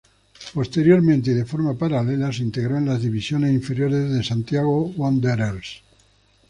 Posteriormente y de forma paralela se integró en las divisiones inferiores de Santiago Wanderers.